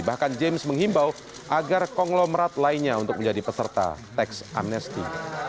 bahkan james menghimbau agar konglomerat lainnya untuk menjadi peserta teks amnesti